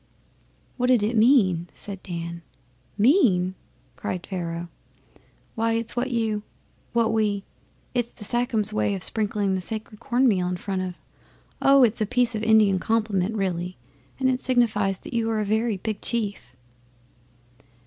'What did it mean?' said Dan. 'Mean!' Pharaoh cried. 'Why it's what you what we it's the Sachems' way of sprinkling the sacred corn meal in front of oh! it's a piece of Indian compliment really, and it signifies that you are a very big chief.